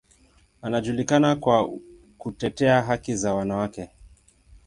Anajulikana kwa kutetea haki za wanawake.